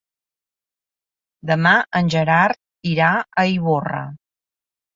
Demà en Gerard irà a Ivorra.